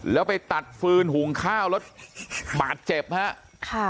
แล้วไปตัดฟืนหุงข้าวแล้วบาดเจ็บฮะค่ะ